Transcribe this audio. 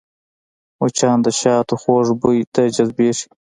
مچان د شاتو خوږ بوی ته جذبېږي